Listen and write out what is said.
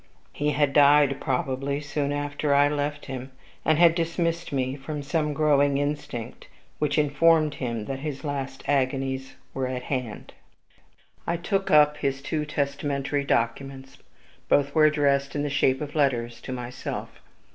He had died, probably, soon after I left him, and had dismissed me from some growing instinct which informed him that his last agonies were at hand. I took up his two testamentary documents; both were addressed in the shape of letters to myself.